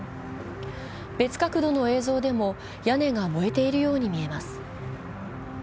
別角度の映像でも屋根が燃えているように見えます。